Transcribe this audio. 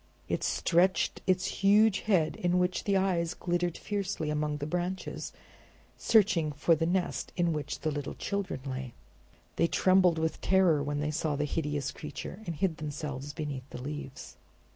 It stretched its huge head, in which the eyes glittered fiercely, among the branches, searching for the nest in which the little children lay. They trembled with terror when they saw the hideous creature and hid themselves beneath the leaves.